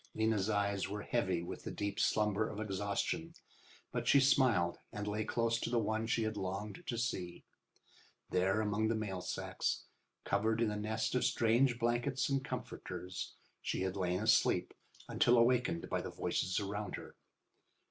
Lena's eyes were heavy with the deep slumber of exhaustion, but she smiled and lay close to the one she had longed to see. There among the mail sacks, covered in a nest of strange blankets and comforters, she had lain asleep until wakened by the voices around her.